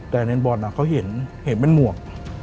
แต่ในบอลเขาเห็นเป็นหมวก